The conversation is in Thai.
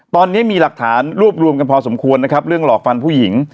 ตอนนี้มีหลักฐานรวบรวมกันพอสมควรนะครับเรื่องหลอกฟันผู้หญิง